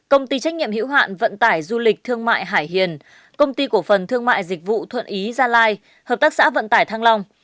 công ty trách nhiệm hữu hạn vận tải du lịch thương mại hải hiền công ty cổ phần thương mại dịch vụ thuận ý gia lai hợp tác xã vận tải thăng long